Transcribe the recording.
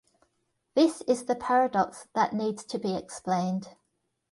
This is the paradox that needs to be explained.